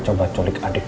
makasih juga pak